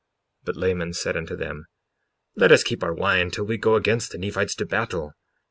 55:10 But Laman said unto them: Let us keep of our wine till we go against the Nephites to battle.